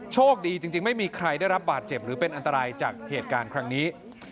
โชคดีจริงไม่มีใครได้รับบาดเจ็บหรือเป็นอันตรายจากเหตุการณ์ครั้งนี้